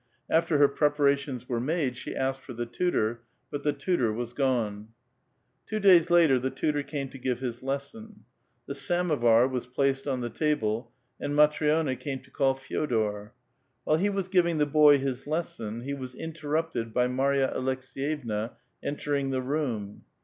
After her preparations were made she asked for the tutor, but the tutor was gone. Two days later the tutor came to give his lesson. The samovar (tea uru) was placed on the table, and Matri6na came to call Fe6dor. While he was giving the boy his lesson, he was interrupted b}^ Marya Aleks^yevna eutering the room.